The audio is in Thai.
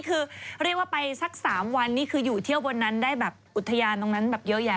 คือเรียกว่าไปสัก๓วันนี้คืออยู่เที่ยวบนนั้นได้แบบอุทยานตรงนั้นแบบเยอะแยะ